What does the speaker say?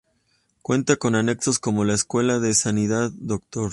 Cuenta con anexos como la: Escuela de Sanidad Dr.